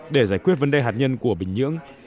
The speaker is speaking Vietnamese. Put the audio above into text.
để giải quyết vấn đề hạt nhân của bình nhưỡng